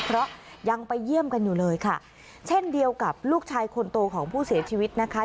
เพราะยังไปเยี่ยมกันอยู่เลยค่ะเช่นเดียวกับลูกชายคนโตของผู้เสียชีวิตนะคะ